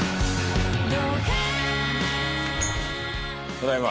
ただいま。